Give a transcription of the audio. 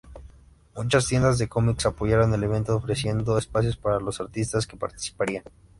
Muchas tiendas de cómics apoyaron el evento ofreciendo espacios para los artistas que participarían.